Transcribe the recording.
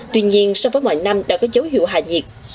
tuy nhiên so với mọi năm đã có dấu hiệu hạ nhiệt